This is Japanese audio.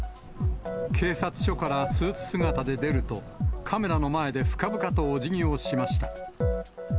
警察署からスーツ姿で出ると、カメラの前で深々とおじぎをしました。